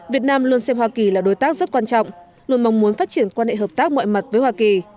việt nam luôn xem hoa kỳ là đối tác rất quan trọng luôn mong muốn phát triển quan hệ hợp tác mọi mặt với hoa kỳ